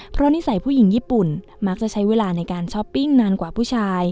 เพราะนิสัยผู้หญิงญี่ปุ่นมักจะใช้เวลาในการช้อปปิ้งนานกว่าผู้ชาย